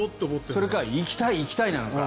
それか行きたい行きたいなのか。